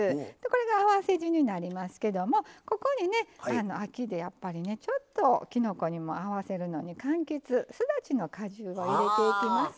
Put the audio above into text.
これがあわせ酢になりますけどもここにね秋でやっぱりちょっときのこにも合わせるのにかんきつすだちの果汁を入れていきます。